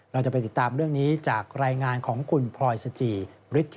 เราจะไปติดตามเรื่องนี้จากรายงานของคุณพลอยสจีบริษฐศิษฐ์ครับ